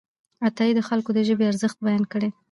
عطايي د خلکو د ژبې ارزښت بیان کړی دی.